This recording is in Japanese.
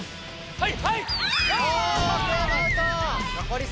はい！